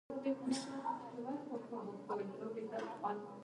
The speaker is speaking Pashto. لمر د ځمکې له ټولو برخو څخه یو ډول نه لیدل کیږي.